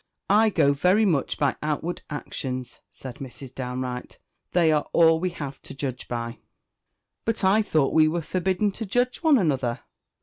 "I go very much by outward actions," said Mrs. Downe Wright; "they are all we have to judge by." "But I thought we were forbidden to judge one another?"